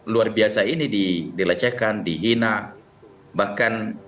luar biasa ini dilecehkan dihina bahkan